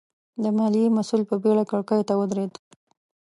د ماليې مسوول په بېړه کړکۍ ته ودرېد.